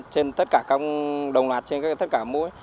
trên tất cả các đồng loạt trên tất cả các mũi